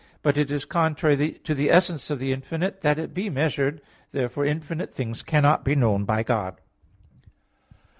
But it is contrary to the essence of the infinite that it be measured. Therefore infinite things cannot be known by God.